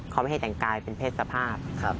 เขาไม่ให้แต่งกายเป็นเพศสภาพ